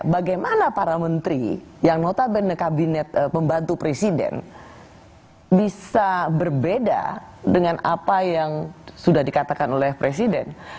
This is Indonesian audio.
bagaimana para menteri yang notabene kabinet pembantu presiden bisa berbeda dengan apa yang sudah dikatakan oleh presiden